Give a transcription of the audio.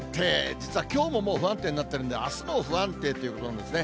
実はきょうももう不安定になってるんで、あすも不安定ということなんですね。